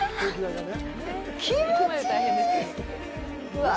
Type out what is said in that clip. うわ！